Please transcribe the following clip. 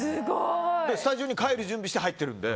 スタジオに帰る準備して入ってるので。